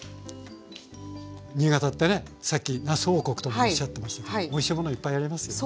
新潟ってねさっきなす王国ともおっしゃってましたけどおいしいものいっぱいありますよね。